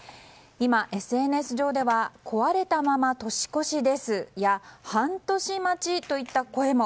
今、ＳＮＳ上では壊れたまま年越しですや半年待ちといった声も。